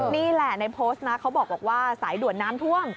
นี่แหละในโพสต์นะเขาบอกว่าสายด่วนน้ำท่วม